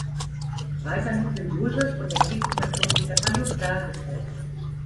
Weiterhin sind Josef und der Kirchenpatron Stephanus dargestellt.